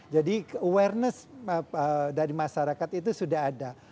jadi awareness dari masyarakat itu sudah ada